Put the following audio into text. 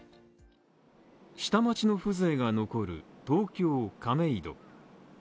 下町の風情が残る東京・亀戸。